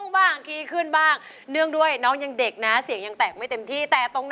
แฟนแฟนแฟน